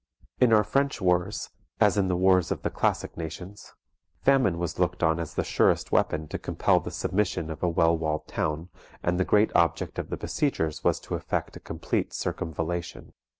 In our French wars, as in the wars of the classic nations, famine was looked on as the surest weapon to compel the submission of a well walled town and the great object of the besiegers was to effect a complete circumvallation.